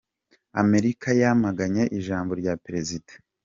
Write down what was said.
Amerika yamaganye ijambo rya Perezida